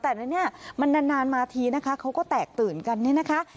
แต่ในนี้มันนานมาทีนะคะเขาก็แตกตื่นกันเนี่ยนะคะ